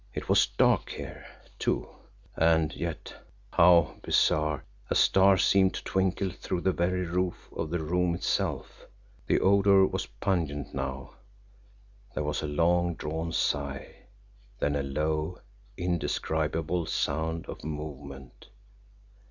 It was dark here, to and yet, how bizarre, a star seemed to twinkle through the very roof of the room itself! The odour was pungent now. There was a long drawn sigh then a low, indescribable sound of movement.